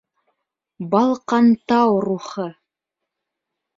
БАЛҠАНТАУ РУХЫ